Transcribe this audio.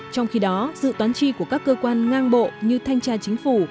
trong khi đó dự toán chi của các cơ quan ngang bộ như thanh tra chính phủ